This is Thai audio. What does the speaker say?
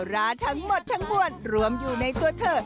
ราทั้งหมดทั้งมวลรวมอยู่ในตัวเธอ